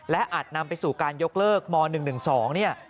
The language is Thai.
และอาจนำไปสู่การยกเลิกม๑๑๒เนี่ย